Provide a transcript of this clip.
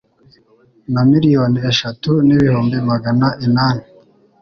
na miliyoni eshatu n ibihumbi magana inani